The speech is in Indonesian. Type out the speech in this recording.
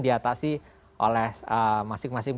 diatasi oleh masing masing